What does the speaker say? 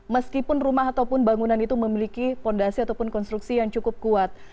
meskipun rumah ataupun bangunan itu memiliki fondasi ataupun konstruksi yang cukup kuat